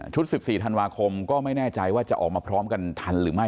๑๔ธันวาคมก็ไม่แน่ใจว่าจะออกมาพร้อมกันทันหรือไม่